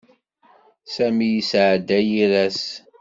Sami yesɛedda yir ass.